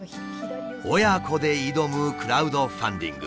親子で挑むクラウドファンディング。